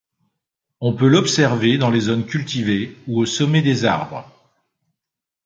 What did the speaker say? On peut l'observer dans les zones cultivées, ou au sommet des arbres.